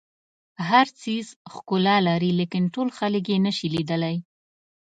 هر څیز ښکلا لري لیکن ټول خلک یې نه شي لیدلی.